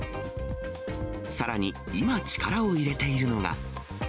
さらに、今力を入れているのが。